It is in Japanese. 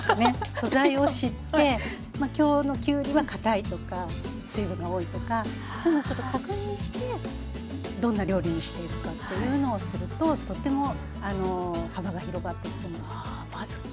素材を知って今日のきゅうりはかたいとか水分が多いとかそういうのをちょっと確認してどんな料理にしていくかっていうのをするととっても幅が広がっていくと思います。